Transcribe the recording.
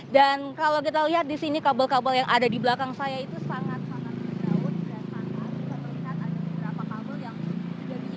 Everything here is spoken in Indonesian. dan kalau kita lihat di sini kabel kabel yang ada di belakang saya itu sangat sangat berdaun